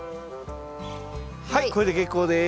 はいこれで結構です。